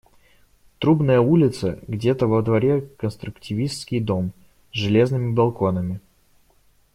Трубная улица, где-то во дворе конструктивистский дом, с железными балконами.